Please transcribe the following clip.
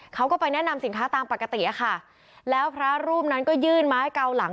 เขาก็ไปแนะนำสินค้าตามปกติอะค่ะแล้วพระรูปนั้นก็ยื่นไม้เกาหลัง